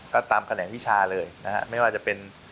ก็ตามแขนงวิชาเลยนะฮะไม่ว่าจะเป็น